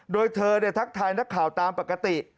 โดยเธอทักทายนักข่าวตามปกติ